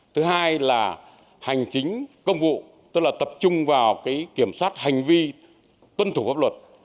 thứ hai là hành chính công vụ tức là tập trung vào kiểm soát hành vi tuân thủ pháp luật